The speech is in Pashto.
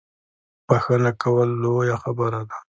بخښنه کول لویه خبره ده